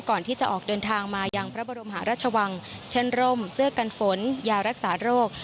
ก่อนที่จะออกเดินทางมายังพระบรมหาราชวังเช่นร่มเสื้อกันฝนยารักษาโรค